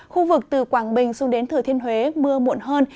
khu vực từ quảng bình xuống đến thừa thiên huế mưa muộn hơn